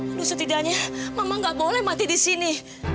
aduh setidaknya mama nggak boleh mati di sini